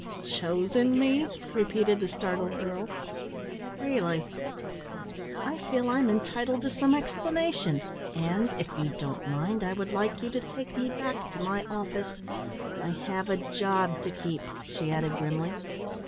"Chosen me?" repeated the startled girl. "Really, I feel I'm entitled to some explanation, and if you don't mind, I would like you to take me back to my office. I have a job to keep," she added grimly.